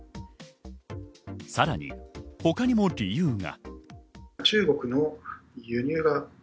さらに、他にも理由が。